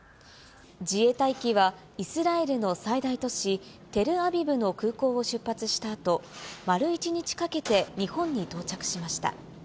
自衛隊機はイスラエルの最大都市、テルアビブの空港を出発したあと、丸１日かけて日本に到着しました。